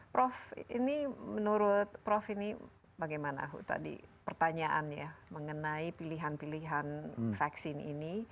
prof ini menurut prof ini bagaimana tadi pertanyaannya mengenai pilihan pilihan vaksin ini